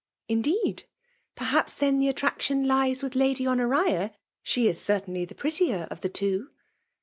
'*' Indeed ! Perhaps, then, tke attractiofi lies with Lady Honoria? She is certamly the "prettier of the two.